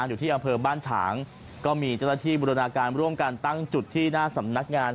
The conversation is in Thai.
อยู่ที่อำเภอบ้านฉางก็มีเจ้าหน้าที่บุรณาการร่วมกันตั้งจุดที่หน้าสำนักงาน